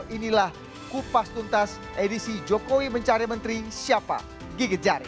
inilah kupas tuntas edisi jokowi mencari menteri siapa gigit jari